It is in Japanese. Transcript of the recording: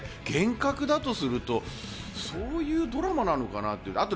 幻覚だとすると、そういうドラマなのかな？